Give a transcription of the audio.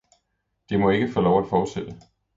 Det må ikke få lov at fortsætte.